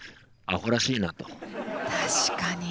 確かに。